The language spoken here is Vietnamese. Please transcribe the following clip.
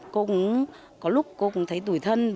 cô cũng có lúc thấy tủi thân